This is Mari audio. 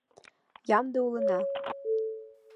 — Ямде улына!